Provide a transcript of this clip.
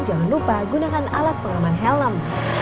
jangan lupa gunakan alat pengaman helm